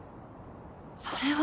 それは。